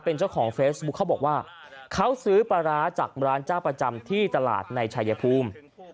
เป็นเจ้าของเฟซบุ๊คเขาบอกว่าเขาซื้อปลาร้าจากร้านเจ้าประจำที่ตลาดในชายภูมิ